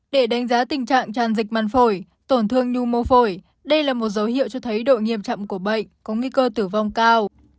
để đánh giá tình trạng tràn dịch măn phổi tổn thương nhu mô phổi đây là một dấu hiệu cho thấy độ nghiêm trọng của bệnh có nguy cơ tử vong cao